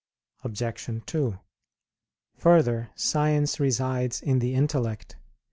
Obj. 2: Further, science resides in the intellect.